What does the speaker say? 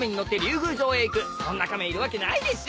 そんなカメいるわけないでしょ。